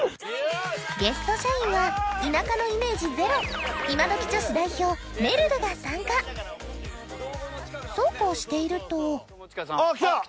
ゲスト社員は田舎のイメージゼロイマドキ女子代表めるるが参加そうこうしているとあ来た！